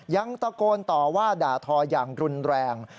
ยังตะโกนต่อว่าด่าทออย่างรุนแรง